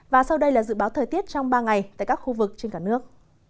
và sau đây là dự báo thời tiết trong ba ngày tại các khu vực trên cả nước